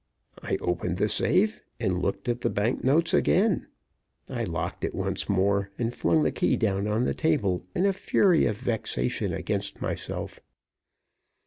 I opened the safe and looked at the bank notes again. I locked it once more, and flung the key down on the table in a fury of vexation against myself.